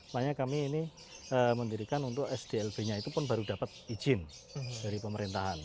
makanya kami ini mendirikan untuk sdlb nya itu pun baru dapat izin dari pemerintahan